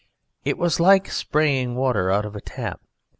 It was like spraying water out of a tap.